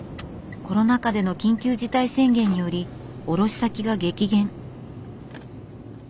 コロナ禍での緊急事態宣言により卸し先が激減。